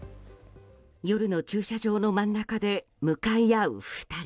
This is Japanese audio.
夜の駐車場の真ん中で向かい合う２人。